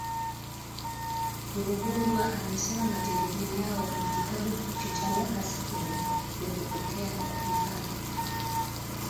Ruhundwa amesema matarajio yao ni kitabu hicho cha miaka sitini ya kupokea na kuhifadhi